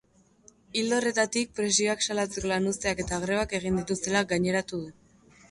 Ildo horretatik, presioak salatzeko lanuzteak eta grebak egin dituztela gaineratu du.